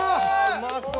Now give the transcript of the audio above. うまそう。